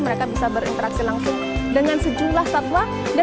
mereka bisa berinteraksi langsung dengan sejumlah satwa